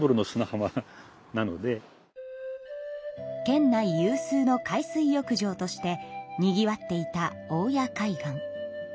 県内有数の海水浴場としてにぎわっていた大谷海岸。